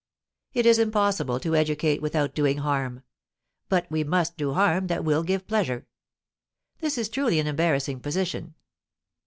It is impossible to educate without doing harm; but we must do harm that will give pleasure! This is truly an embarrassing position!